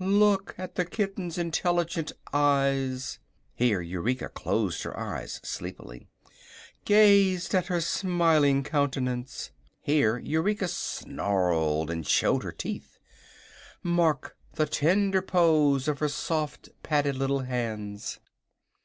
Look at the kitten's intelligent eyes;" (here Eureka closed her eyes sleepily) "gaze at her smiling countenance!" (here Eureka snarled and showed her teeth) "mark the tender pose of her soft, padded little hands!"